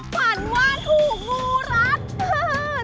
ฝันว่าถูกงูรัด